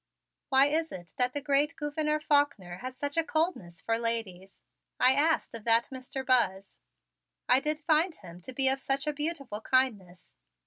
"Why is it that the great Gouverneur Faulkner has such a coldness for ladies?" I asked of that Mr. Buzz. "I did find him to be of such a beautiful kindness."